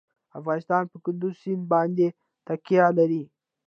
افغانستان په کندز سیند باندې تکیه لري.